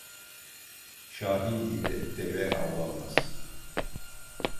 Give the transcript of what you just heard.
Şahin ile deve avlanmaz.